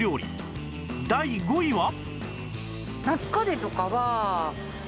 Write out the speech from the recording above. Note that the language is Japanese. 第５位は